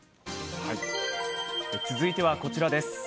続いてはこちらです。